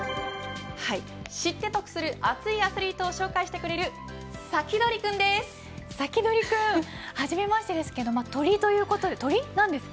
知って得する熱いアスリートを紹介してくれるサキドリ君初めましてですけど鳥ということで、鳥なんですか。